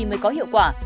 mới có hiệu quả